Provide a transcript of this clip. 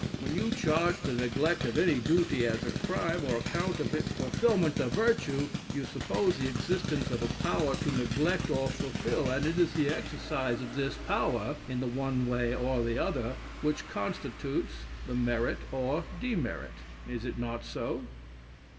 "When you charge the neglect of any duty as crime, or account its fulfilment a virtue, you suppose the existence of a power to neglect or fulfil; and it is the exercise of this power, in the one way or the other which constitutes the merit or demerit. Is it not so?"